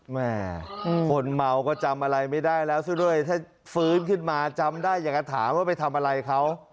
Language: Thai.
แม่คนเมาก็จำอะไรไม่ได้แล้วซะด้วยถ้าฟื้นขึ้นมาจำได้อยากจะถามว่าไปทำอะไรเขา